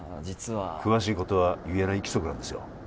実は詳しいことは言えない規則なんですよ